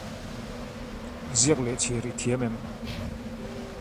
He was primarily an experimenter and had little interest in theory.